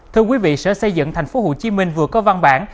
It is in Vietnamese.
thưa quý vị sở xây dựng tp hcm vừa có văn bản